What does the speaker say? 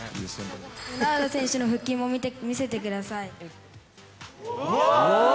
ロナウド選手の腹筋を見せてください。